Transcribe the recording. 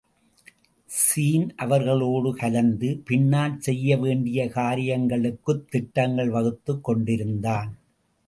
Sean அவர்களோடு கலந்து பின்னால் செய்ய வேண்டிய காரியங்களுக்குத் திட்டங்கள் வகுத்துக் கொண்டிருந்தான்.